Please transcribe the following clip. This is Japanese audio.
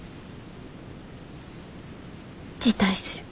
辞退する。